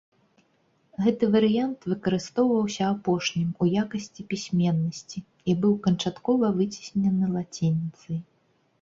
Гэты варыянт выкарыстоўваўся апошнім у якасці пісьменнасці і быў канчаткова выцеснены лацініцай.